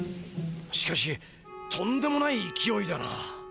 しかしとんでもないいきおいだな。